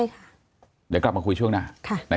เดี๋ยวกลับมาคุยช่วงหน้า